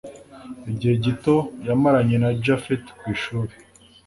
igihe gito yamaranye na japhet kwishuri